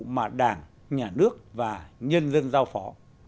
mà đảng nhà nước và nhân dân giao phó